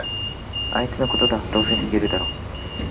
あいつのことだ、どうせ逃げるだろ